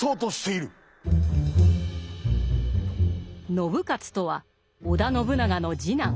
信雄とは織田信長の次男。